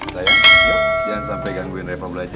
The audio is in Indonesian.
sayang jangan sampai gangguin reva belajar